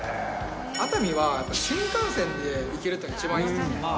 熱海は新幹線で行けるっていうのが一番いいですよね。